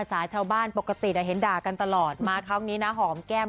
ทำบรรเดาให้แจงนะครับ